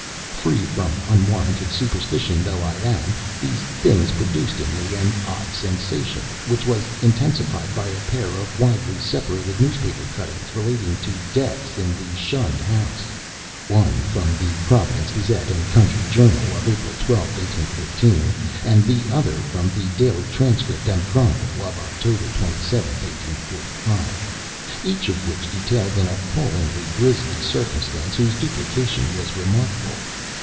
Free from unwarranted superstition though I am, these things produced in me an odd sensation, which was intensified by a pair of widely separated newspaper cuttings relating to deaths in the shunned house one from the Providence Gazette and Country Journal of April 12, 1815, and the other from the Daily Transcript and Chronicle of October 27, 1845 each of which detailed an appallingly grisly circumstance whose duplication was remarkable.